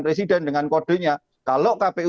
presiden dengan kodenya kalau kpu